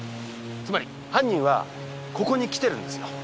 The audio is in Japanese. つまり犯人はここに来てるんですよ。